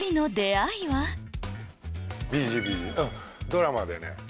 ドラマでね。